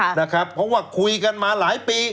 เพราะว่าคุยกันมาหลายปี